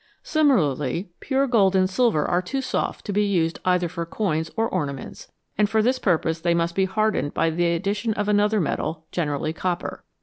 Similarly, pure gold and silver are too soft to be used either for coins or ornaments, and for this purpose they must be hardened by the addition of another metal, generally copper.